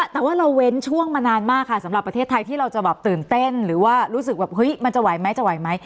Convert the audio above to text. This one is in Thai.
แต่ว่าเราเว้นช่วงมานานมากค่ะสำหรับประเทศไทยที่เราจะแบบตื่นเต้นหรือว่ารู้สึกแบบเฮ้ยมันจะไหวไหมจะไหวไหม